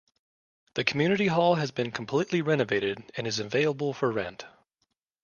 The community hall has been completely renovated and is available for rent.